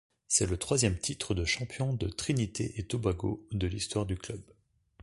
C’est le troisième titre de champion de Trinité-et-Tobago de l'histoire du club.